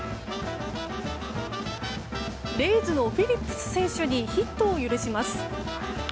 レイズのフィリップス選手にヒットを許します。